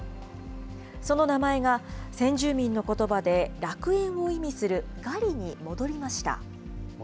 その名前が、先住民のことばで楽園を意味するガリに戻りました。